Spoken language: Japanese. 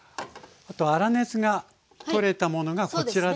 あと粗熱が取れたものがこちらですね。